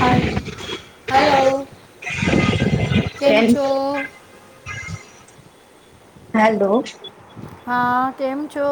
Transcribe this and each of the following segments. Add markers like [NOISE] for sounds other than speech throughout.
હ એમ હલો! કેમ છો? હાલો! હા, કેમ છો?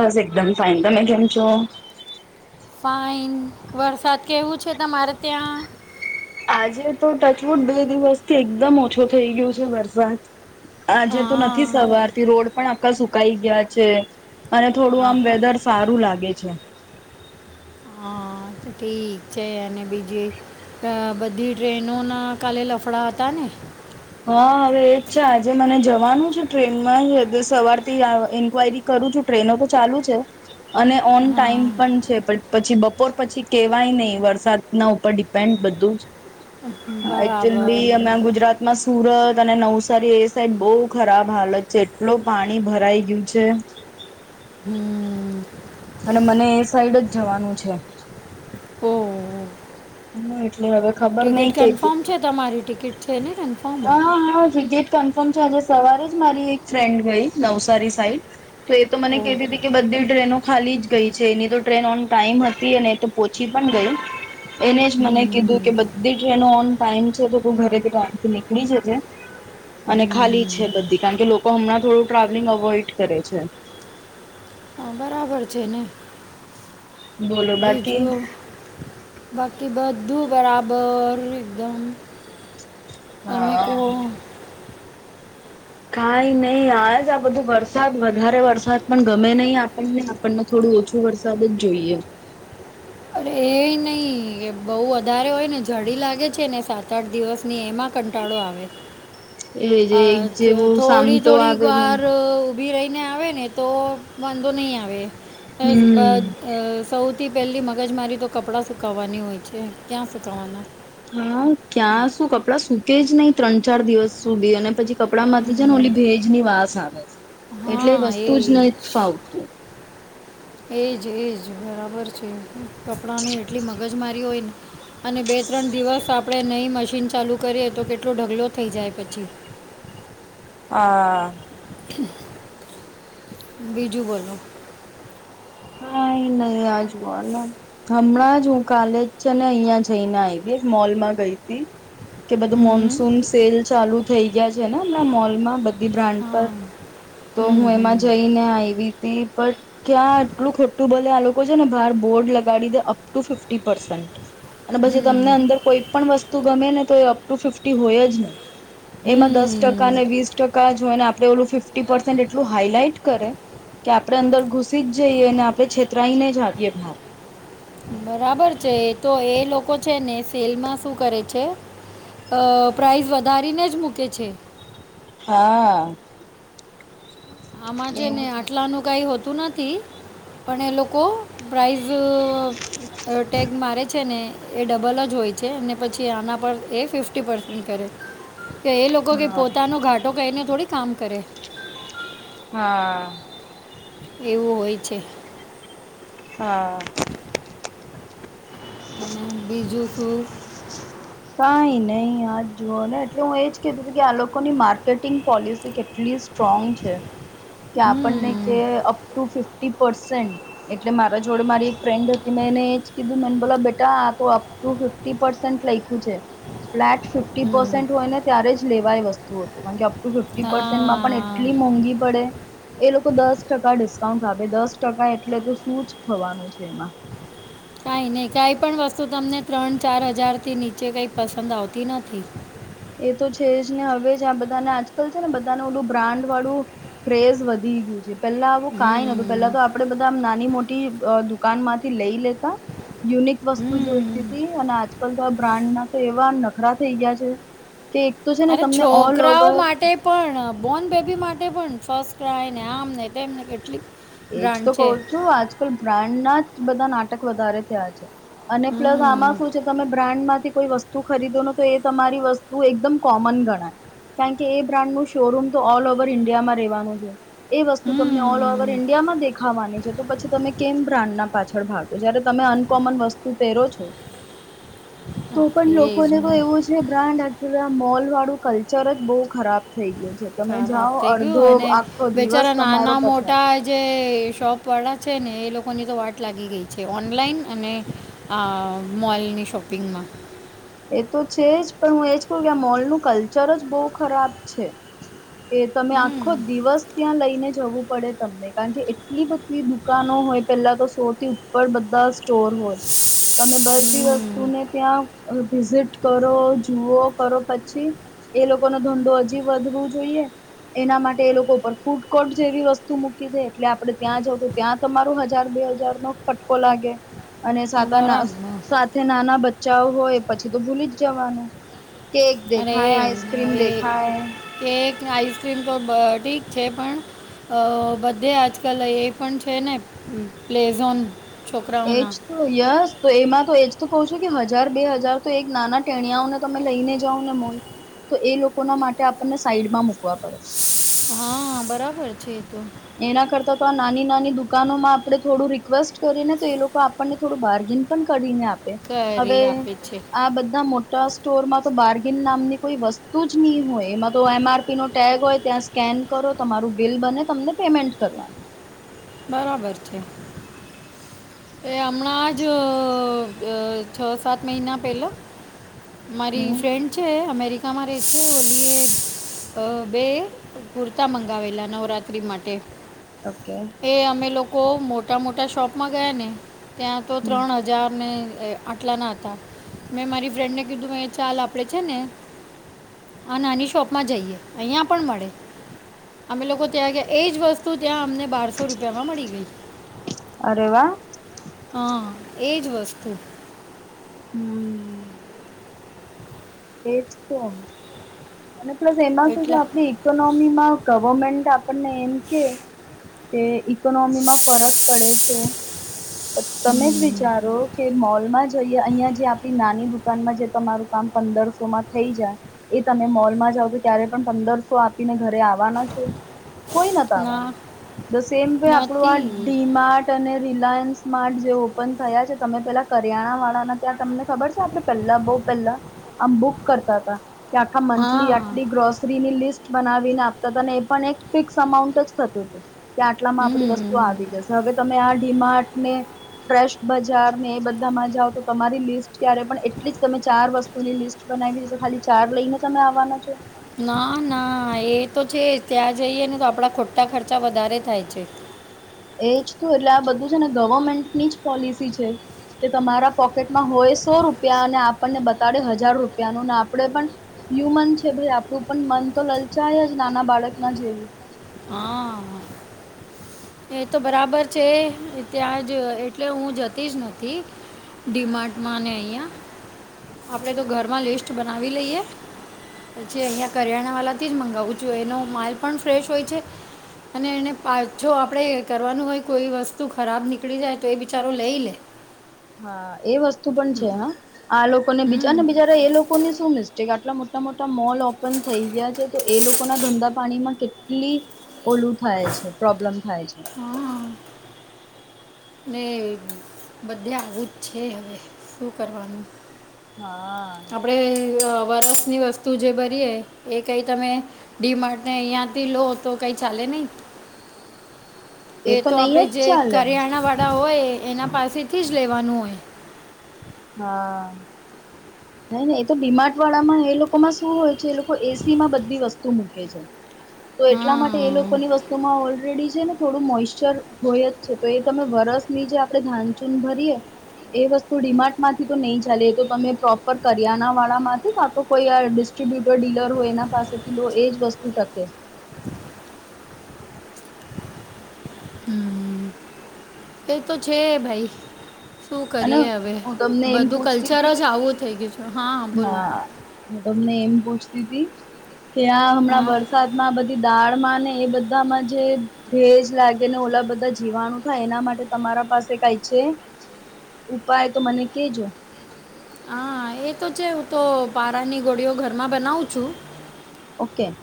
બસ, એકદમ ફાઇન. તમે કેમ છો? ફાઇન. વરસાદ કેવું છે તમારે ત્યાં? આજે તો ટચવું જ બે દિવસથી એકદમ ઓછો થઇ ગયું છે વરસાદ. આજે તો નથી હા સવારતી રોડ પણ આખા સુકાઈ ગયા છે. અને થોડું, હા આમ વેધર સારું લાગે છે. હા ઠીક છે. ને બીજી.. બધી ટ્રેનો ના કાલે લફડા હતા ને? હા, હવે એજ છે. આજે મને જવાનું છે ટ્રેનમાં સવાર થી જ એન્ક્વાયરી કરું છું. ટ્રેનો તો ચાલુ છે. અને ઓન ટાઈમ હા પણ છે, પણ પછી બપોર પછી કેવાય નઇ વરસાદ ના ઉપર ડિપેન્ડ બધું જ બરાબર એકચુલી અમે ગુજરાત માં સુરત અને નવસારી એ સાઈડ બહુ ખરાબ હાલત છે, એટલો પાણી ભરાઈ ગયું છે. હમ અને મને એ સાઈડ જ જવાનું છે. ઓ હમ એટલે હવે ખબર ટિકિટ નહ કે કન્ફર્મ છે તમારી? ટિકિટ છે ને? કન્ફર્મ હ હ ટિકિટ કન્ફર્મ છે. આજે સવારે જ મારી એક ફ્રેન્ડ ગઈ નવસારી સાઈડ તો એ તો મને ઓ કેતીતી કે બધી ટ્રેનો ખાલી જ ગઈ છે. એની તો ટ્રેન ઓન ટાઈમ હતી અને એતો પોચી પણ ગય. એને જ મને કીધું કે બધી ટ્રેનો ઓન ટાઈમ છે. તો તું ઘરેથી પો નીકળી જજે. અને ખાલી છે બધી કારણ કે લોકો હમણાં થોડું ટ્રાવેલિંગ અવોઈડ કરે છે. હા, બરાબર છે ને? બોલો વિજુ બાકી બાકી બધું બરાબર એકદમ. તમે હા ઓ [UNINTELLIGIBLE] કઈ નઇ આજ આ બધું વરસાદ. વધારે વરસાદ પણ ગમે નહી આપણને આપણને થોડું ઓછું વરસાદ જ જોઈએ. અરે એ નહિ એ બહુ વધારે હોય ને જડી લાગે છે ને સાત- આઠ દિવસની એમાં કંટાળો આવે. એ જે એક આજ જેવો થોડી સામટો થોડી આવે વાર ઊભી રહીને આવે ને તો વાંધો નહીં આવે બ હમ અ સૌથી પેલી મગજ મારી તો કપડાં સુકવાની હોય છે ક્યાં સુકાવાના હા ક્યાં શું કપડાં સુકે જ નહી. ત્રણ ચાર દિવસ સુધી અને પછી કપડા માંથી છે ને ઓલી ભેજ ની વાસ આવે એટલે હા વસ્તુ એ જ નય ફાવ એજ એજ બરાબર છે. કપડાં ની એટલી મગજ મારી હોય ને અને બે ત્રણ દિવસ આપણેે નઈ મશીન ચાલુ કરીએ. તો કેટલો ઢગલો થઈ જાય પછી. આ બીજું બોલો. કાઈ નઇ. આ જવો હમણાં જ હું કાલેજ છે ને અહિયાં જઈને આવી મોલમાં ગઈતી. કે બધું હમ મોનસૂન સેલ ચાલુ થઈ ગયા છે ને હમણાં મોલમાં, બધી બ્રાન્ડ હા પર તો હમ હું હમ એમાં જઈને આયવી તી. પટ ક્યાં આટલું ખોટું બલે. આ લોકો છે ને બહાર બોર્ડ લગાડી દે અપ ટુ ફિફી પરસન્ટ. અને પછી હમ તમને અંદર કોઈ પણ વસ્તુ ગમે ને તો એ અપ ટુ ફિફ્ટી હોય જ નહી એમાં દસ ટકા હમ ને વીસ ટકા જોઈ ને આપડે ઓલું ફિફ્ટી પસેન્ટ એટલું હાઈલાઈટ કરે કે આપડણે અંદર ઘુસી જ જઈએ અને આપણે છેતરાઈને જ આવીએ બહાર બરાબર છે તો એ લોકો છે ને સેલમાં શું કરે છે. પ્રાઇઝ વધારીને જ મૂકે છે. હા આમાં જે ને આટલા નું કઈ હોતું નથી. પણ એ લોકો પ્રઇઝ ટેગ મારે છે ને એ ડબલ જ હોય છે અને પછી આના પર એ ફિફ્ટી પસન્ટ કરે કે એ લોકો કે હા પોતાનો ઘાટો કહીને થોડી કામ કરે હા એવું હોય છે. હા હ [INAUDIBLE] અને બીજું શું? [INAUDIBLE] કઈ નહી આજ જુઓ ને એટલે હું એજ કીધું તું કે આ લોકોની માર્કેટિંગ પોલિસી કેટલીસ્ટ સ્ટ્રોંગ છે કે આપણને હમ્મ, કે ટ ફફ એટલે મારા જોડે મારી એક ફ્રેન્ડ હતી મેંને જ કીધું. બલ બેટા આ અપ ટુ ફિફી પરસેન્ટ લખ છે. ફ્લેટ ફિફી હમ્મ. પસેન્ટ હોય ને ત્યારે જ લેવાય વસ્તુ હતું કારણ કે અપ ટુ ફિફી પસેન્ટમાં પણ હા. એટલી મોંઘી પડે એ લોકો દસ ટકા ડિસ્કાઉન્ટ આપે દસ ટકા એટલે તો શું જ થવાનું છે એમાં કંઈ નહી કઈ પણ વસ્તુ તમને ત્રણ ચાર હજાર થી નીચે કઈ પસંદ આવતી નથી એ તો છે જ ને હવે જ આ બધાને આજકાલ છે ને બધાનું ઓલું બ્રાન્ડ વાળું. ક્રેઝ વધી ગયું છે પેલા આવું કંઈ નતું હમ્મ, પેલા તો આપડે બધામ નાની મોટી દુકાન માંથી લઈ લેતા યુનિક વસ્તુ હમ્મ. જોઈતી હતી અને આજકાલ તો આ બ્રાન્ડના તો એવા નખરા થઈ ગયા છે. કે એક તો છે ને અરે તમને ઓલ છોકરાઓ ઓવર માટે પણ બોર્ન બેબી માટે પણ ફસ્ટ ક્રાય ને આમ ને તેમને કેટલીક એજ તો કહઉ છું આજકાલ બ્રાન્ડના જ બધા નાટક વધારે થયા છે. અને પ્લસ હમ્મ, આમાં શું છે તમે બ્રાન્ડ માંથી કોઈ વસ્તુ ખરીદો ન તો એ તમારી વસ્તુ એકદમ કોમન ગણાય કારણ કે એ બ્રાન્ડ નું શોરૂમ તો ઓલ ઓવર ઇન્ડિયામાં રહેવાનું છે એ વસ્તુ તમને ઓલ ઓવર. હમ્મ. ઇન્ડિયામાં દેખાવાની છે તો પછી તમે કેમ બ્રાન્ડ પાછળ ભાગો જયારે તમે અનકોમન વસ્તુ પહેરો છો. તો હા, પણ એ લોકોને તો ને. એવું જ જે બ્રાન્ડ એકચુલી મોલ વાળું કલ્ચર જ બહુ ખરાબ થઇ ગયું છે. તમે ખરાબ જાઓ થઈ અડધો ગયું અને આખો દિવસ બેચારા નાના તમારો પછાર મોટા જે શોપ વાળા છે ને એ લોકોની તો વાત લાગી ગઈ છે ઓનલાઈન અને આ મોલની શોપિંગમાં એ તો છે જ પણ હું એજ કહ કે આ મોલનું કલ્ચર જ બહુ ખરાબ છે. એ તમે હમ આખો દિવસ ત્યાં લઈને જવું પડે તમને કારણ કે એટલી બધી દુ કા ન હોય પેલા તો સોથી ઉપર બધા સ્ટોર હોય. તમે બધી વસ્તુને હમ ત્યાં વિઝિટ કરો જુઓ કરો પછી એ લોકો નો ધંધો હજી વધવો જોઈએ એના માટે એ લોકો પર ફૂડ કોર્ટ જેવી વસ્તુ મૂકી દે એટલે આપડણે ત્યાં જઉ તો ત્યાં તમાર હજાર બે હજાર નો ફટકો લાગે અને બરાબર સાતા નાના બચ્ચાઓ હોય પછી તો ભૂલી જ જવાનું કેક અરે દેખાય એ આઇસક્રીમ એ દેખાય. કેક આઈસક્રીમ તો ઠીક છે પણ. અ બધે આજકલ એ પણ છે ને પ્લેઝોન. એજ છોકરાઓના તો યસ તો એમાં તો એજ તો કહું છું કે હજાર બે હજાર તો એક નાના ટેણીયાઓને તમે લઈને જાવ ને મન તો એ લોકો ના માટે આપણને સાઈડમાં મુકવા પડે. હા બરાબર છે એતો. એના કરતા તો આ નાની નાની દુકાનો માં આપડે થોડું રિક્વેસ્ટ કરીએ ને તો એ લોકો તમને થોડું બારગિન પણ કરીને આપે કરી હવે આપે છે આ બધા મોટા. સ્ટોરમાં તો બાર્ગિન નામની કોઈ વસ્તુ જ નહી હોય એમાં તો એમ આરપી નો ટેગ હોય ત્યાં. સ્કેન કરો તમારું બિલ બને તમને પેમેન્ટ કરવાનું. બરાબર છે. એ હમણાં જ છ સાત મહિના પહેલા. મારી હમ ફ્રેન્ડ છે અમેરિકામાં રહે છે ઓલી એ બે. કુર્તા મંગાવેલા નવરાત્રી માટે. ઓકે. એ અમે લોકો મોટા મોટા શોપમાં ગયા ને ત્યાં તો હમ ત્રણ હજાર. હજાર ને આટલા ના હતા. મેં મારી ફ્રેન્ડને કીધું ચાલ આપડે છે ને. આ નાની શોપ માં જઈએ અહિયા પણ મળે અમે લોકો ત્યાં ગયા એજ વસ્તુ ત્યાં અમને બારસો રૂપિયા માં મળી ગઈ. અરે વાહ. હા એજ વસ્તુ. હમ. એજ તો અને પ્લસ એમાં શું છે એટલા આપડી ઇકોનોમી માં ગવર્મેન્ટ આપણને એમ કે ઇકોનોમી માં ફરક પડે છે તમે જ વિચારો. કે મોલમાં જઈએ અહિયા જે આપણી નાની દુકાનમાં જે તમારું કામ પંદરસોમાં થઈ જાય. એ તમે મોલ માં જાવ તો કયારે પણ પંદરસો આપીને ઘરે આવવાના છો. કોઈ નથ ના આવવાનું તો સેમ આપણું આ નથી. ડીમાટ. અને રિલાયન્સ માર્ટ જે ઓપન થયા છે તમે પેલા કરિયાણા વાળાના ત્યાં તમને ખબર છે આપણે. પેલ્લા બહુ પેલ્લા આમ બુક કરતા હતા આખા મંથલી હા, આટલી ગ્રોસરીની લિસ્ટ. બનાવીને આપતા હતા એ પણ એક ફિક્સ અમાઉન્ટ જ થતું હતું કે આટલામાં આપડી વસ્તુ હમ્મ. આવી જશે. હવે તમે આ ડીમાટને. ફ્રેશ બજાર ને એ બધામાં જાઓ તો તમારી લિસ્ટ ક્યારે પણ એટલી જ તમે ચાર વસ્તુ. લિસ્ટ બનાવી છે તો ખાલી ચાર લઈને તમે આવવાનો છો. ના ના એ તો છે જ ત્યાં જઈએ ને તો આપડા ખોટા ખર્ચા વધારે થાય છે. એજ તું એટલે આ બધું છે ને ગવર્મેન્ટની જ પોલિસી છે. તે તમારા પોકેટમાં હોય સો રૂપિયા અને આપણને બતાડે હજાર રૂપિયાનું ને આપણેે પણ. હ્યુમન છે ભાઈ આપણું પણ મન તો લલચાય જ નાના બાળક ના જેવું. હા, એ તો બરાબર છે ત્યાં જ એટલે હું જતી જ નથી. ડીમાટમાં ને અહીંયા આપડે તો ઘરમાં લિસ્ટ બનાવી લઈએ પછી અહિયાં કરિયાણા વાળાથી જ મંગાવું છું એનો માલ પણ ફ્રેશ હોય છે. અને એને પાછો આપ [UNINTELLIGIBLE] કરવાનું હોય કોઈ વસ્તુ ખરાબ નીકળી જાય તો એ બિચારો લઈ લે હા એ વસ્તુ પણ છે હા આ લોકોને બીજા અને હમ્મ, બીજ એ લોકો. લોકોને શું મિસ્ટેક આટલા મોટા મોટા મોલ ઓપન થઈ ગયા છે તો એ લોકો ના ધંધા પાણીમાં કેટલી. ઓલું થાય છે પ્રોબ્લેમ થાય છે. હા. [INAUDIBLE] બધે આવું જ છે હવે શું કરવાનું. હા. આપણે વરસની વસ્તુ જે ભરીએ એ કંઈ તમે. ડી માર્ટને અહિયાંથી લો તો કઈ ચાલે નહી એ તો નહી આપણે જ જે ચાલે કરિયાણાવાળા હોય એના પાસેથી જ લેવાનું હોય હા. નઈ નઈ એ તો ડી માર્ટ વાળામાં એ લોકોમાં શું હોય છે એ લોકો એસી માં બધી વસ્તુ મૂકે છે. તો એટલા માટે એ લોકો એ હા લોકોની વસ્તુમાં ઓલરેડી છે ને થોડું મોઈશ્ચર હોય જ છે તો એ તમે વરસ ની જે આપણે ધા એમ ભરીયે એ વસ્તુ ડી માર્ટ માંથી તો નહીં ચાલે તો તમે પ્રોપર કરિયાના વાળામાંથી કા તો કોઈ ડિસ્ટ્રીબ્યુટર ડીલર હોય એના પાસે તો એ જ વસ્તુ ટકે હમ્મ. એ તો છે ભાઈ શું અને કરીએ હવે હું તમને એમ બધું પૂછતી કલ્ચર હતી જ આવું થઈ ગયું છે. હા હું તમને એમ પૂછતી હતી કે આ હમણાં હા વર્ષ વરસાદ માં બધી દાળમાં ને એ બધામાં જે ભેજ લાગે ને ઓલા બધા જીવાણું થાય એના માટે તમારા પાસે કઈ છે. ઉપાય તો મને કેજો હા એ તો છે હું તો પારાની ગોળીઓ ઘરમાં બનાવું છું. ઓકે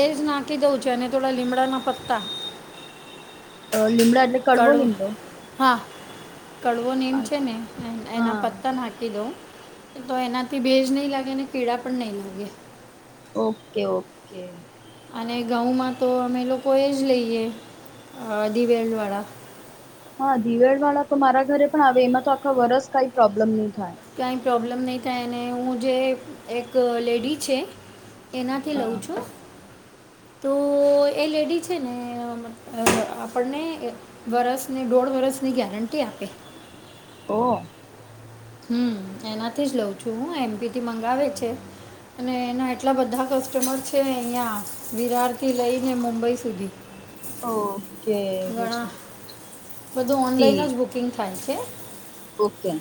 એ સ નાકી દઉ ચેને થોડા લીમડા ના પત્તા [UNINTELLIGIBLE] લીમડા એટલે કડવો કળું લીમડો હા કડવો નેમ છે ને એના હા પતા નાખી દો તો એનાથી ભેજ નહીં લાગે કીળા પણ નહીં લાગે ઓકે ઓકે અને ઘઉંમાં તો અમે લોકો એ જ લઈએ દિવેલ વાળા હા દિવેડ વાળા તો મારા ઘરે પણ આવે એમાં તો આખા વરસ કઈ પ્રોબ્લેમ નહી થાય. કાંઈ પ્રોબ્લેમ નહીં થાય અને હું જે એક લેડી છે. એનાથી લઉં હા છું તો તો એ લેડી છે ને આપણને વરસ ની દોઢ વરસની ગેરંટી આપે છે. ઓ હમ્મ એનાથી જ લઉં છું હું એમપીથી મંગાવે છે. અને એના એટલા બધા કસ્ટમર છે અહિયાં વિહાર થી લઈને મુંબઈ સુધી ઓકે એવું છે ઘણા બધું ઓનલાઈન જ ઠીક બુકિંગ થાય છે. ઓકે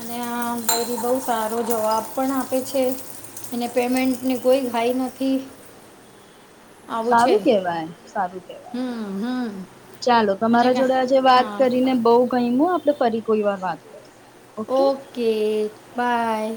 અને આ પણ બહું સારો જવાબ પણ આપે છે. અને પેમેન્ટને કોઈ હાઈ નથી આવું છે સારું કેવાય સારું કેવાય હમ હમ ચાલો અને તમારા કા- જોડે આજે વાત હા કરીને બહું ગઈમુ હો આપદે ફરી કોઈ વાર વાત કરશું. Okay bye